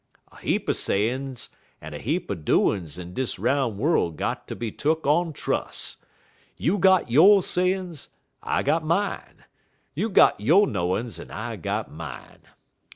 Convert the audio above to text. A heap er sayin's en a heap er doin's in dis roun' worl' got ter be tuck on trus'. You got yo' sayin's, I got mine; you got yo' knowin's, en I got mine.